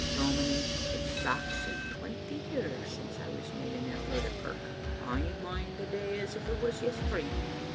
'" Dominie, it's sax and twenty years since I was made an elder o' the kirk. I mind the day as if it was yes treen.